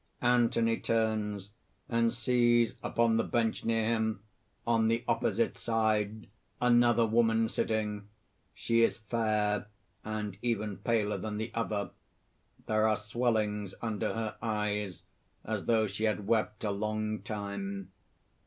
(_Anthony turns; and sees upon the bench near him, on the opposite side, another woman sitting; she is fair, and even paler than the other; there are swellings under her eyes, as though she had wept a long time.